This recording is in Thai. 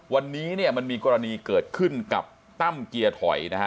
วันนี้มันมีกรณีเกิดขึ้นกับตั้มเกียร์ถอย